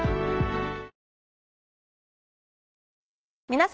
皆様。